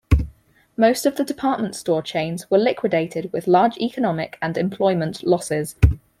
Most of the department store chains were liquidated with large economic and employment losses.